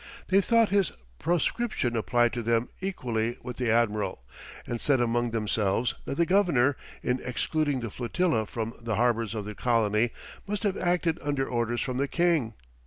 They thought this proscription applied to them equally with the admiral, and said among themselves that the governor, in excluding the flotilla from the harbours of the colony, must have acted under orders from the king.